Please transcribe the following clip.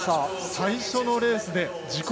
最初のレースで自己